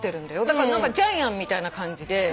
だから何かジャイアンみたいな感じで。